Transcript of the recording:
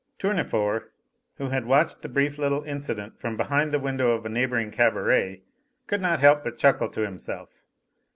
Tournefort, who had watched the brief little incident from behind the window of a neighbouring cabaret, could not help but chuckle to himself.